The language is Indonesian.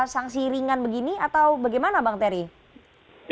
sanksi ringan begini atau bagaimana bang terry